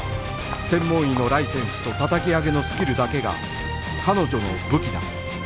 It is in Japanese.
専門医のライセンスと叩き上げのスキルだけが彼女の武器だ